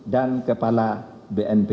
dan kepala bnpt